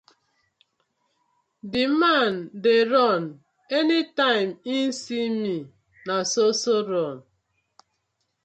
Di man dey run anytime im see mi no so so run.